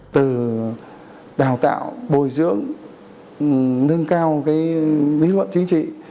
từ đào tạo bồi dưỡng nâng cao lý luận chính trị